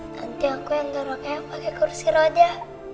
nanti aku yang dorong eyang pakai kerusi roda